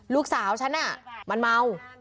ลูกสาวฉันมันเมา